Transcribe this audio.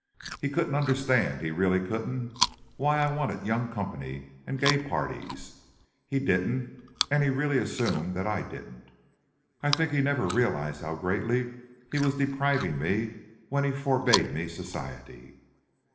He couldn't understand, he really couldn't why I wanted young company and gay parties. He didn't, and he really assumed that I didn't. I think he never realized how greatly he was depriving me when he forbade me society."